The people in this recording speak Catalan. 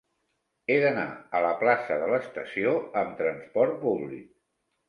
He d'anar a la plaça de l'Estació amb trasport públic.